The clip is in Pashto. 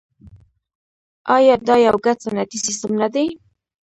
آیا دا یو ګډ صنعتي سیستم نه دی؟